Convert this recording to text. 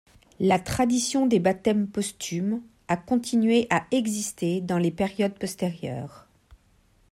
La tradition des baptêmes posthumes a continué à exister dans les périodes postérieures.